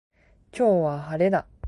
今日は晴れだ。